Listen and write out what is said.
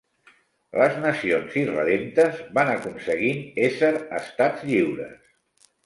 Les nacions irredemptes van aconseguint ésser Estats lliures...